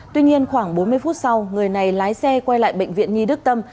tuy nhiên khoảng bốn mươi phút sau người này lái xe quay lại bệnh viện nhi đức tâm